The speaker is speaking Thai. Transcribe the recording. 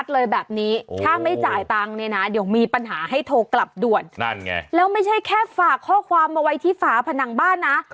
แล้วไม่ใช่แค่ฝากข้อความมาไว้ที่ฝาผนังบ้านนะ